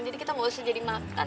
jadi kita gak usah jadi makan